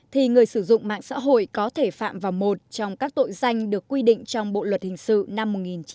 thì người sử dụng mạng xã hội có thể phạm vào một trong các tội danh được quy định trong bộ luật hình sự năm một nghìn chín trăm năm mươi